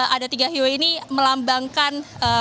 ada tiga heo ini melambangkan